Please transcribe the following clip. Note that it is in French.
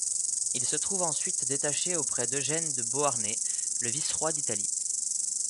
Il se trouve ensuite détaché auprès d’Eugène de Beauharnais, le Vice-Roi d’Italie.